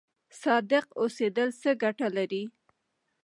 صادق اوسیدل څه ګټه لري؟